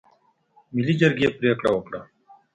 ملي جرګې پرېکړه وکړه.